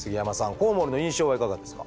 コウモリの印象はいかがですか？